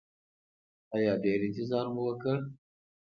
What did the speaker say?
ایا ډیر انتظار مو وکړ؟